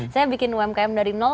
saya bikin umkm dari nol